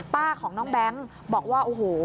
ป้าของน้องแบงบอกว่า